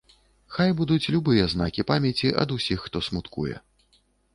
Хай будуць любыя знакі памяці, ад усіх, хто смуткуе.